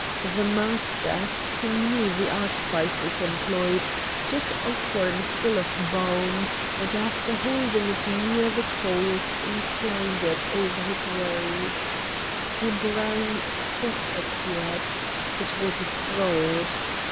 The master, who knew the artifices employed, took a horn full of balm, and after holding it near the coals inclined it over his robe. A brown spot appeared; it was a fraud.